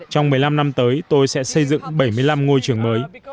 trong một mươi năm năm tới tôi sẽ xây dựng bảy mươi năm ngôi trường mới